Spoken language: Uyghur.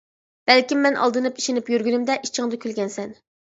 بەلكىم مەن ئالدىنىپ ئىشىنىپ يۈرگىنىمدە ئىچىڭدە كۈلگەنسەن.